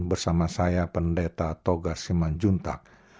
bersama saya pendeta toga siman juntak